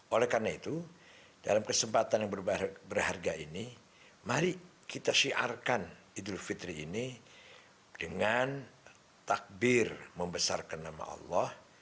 oleh karena itu dalam kesempatan yang berharga ini mari kita syiarkan idul fitri ini dengan takbir membesarkan nama allah